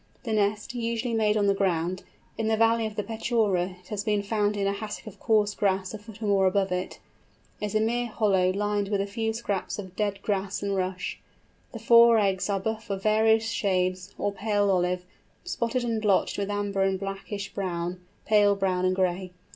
The nest, usually made on the ground, (in the valley of the Petchora it has been found in a hassock of coarse grass a foot or more above it), is a mere hollow lined with a few scraps of dead grass and rush. The four eggs are buff of various shades, or pale olive, spotted and blotched with amber and blackish brown, pale brown and gray.